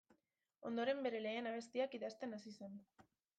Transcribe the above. Ondoren, bere lehen abestiak idazten hasi zen.